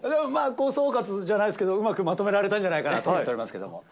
総括じゃないですけど、うまくまとめられたんじゃないかなと思っておりますけれども。